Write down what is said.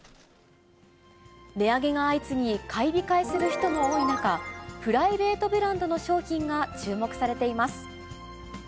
値上げが相次ぎ、買い控えする人も多い中、プライベートブランドの商品が注目されています。